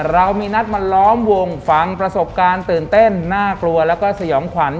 เรามีนัดมาล้อมวงฟังประสบการณ์ตื่นเต้นน่ากลัวแล้วก็สยองขวัญ